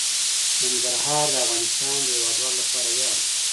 ننګرهار د افغانستان د هیوادوالو لپاره ویاړ دی.